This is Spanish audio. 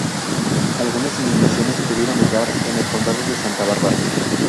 Algunas inundaciones tuvieron lugar en el condado de Santa Bárbara.